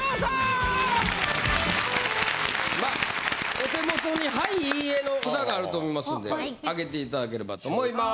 お手元に「はい」「いいえ」の札があると思いますんであげていただければと思います。